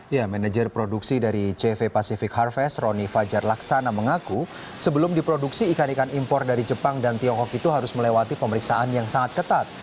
ya manajer produksi dari cv pacific harvest roni fajar laksana mengaku sebelum diproduksi ikan ikan impor dari jepang dan tiongkok itu harus melewati pemeriksaan yang sangat ketat